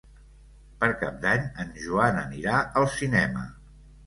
Per Cap d'Any en Joan anirà al cinema.